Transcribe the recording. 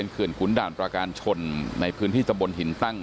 เขื่อขุนด่านประการชนในพื้นที่ตะบนหินตั้ง